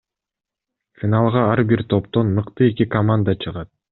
Финалга ар бир топтон мыкты эки команда чыгат.